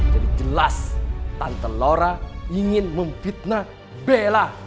jadi jelas tante laura ingin memfitnah bella